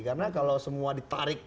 karena kalau semua ditarik